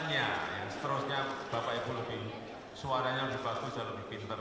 seterusnya bapak ibu lebih suaranya lebih bagus dan lebih pinter